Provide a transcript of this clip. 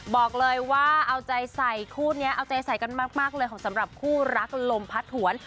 บอกเลยว่าเอาใจใส่คู่นี้เอาใจใส่กันมากเลยของสำหรับคู่รักลมพัดถวน